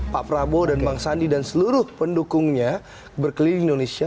pak prabowo dan bang sandi dan seluruh pendukungnya berkeliling indonesia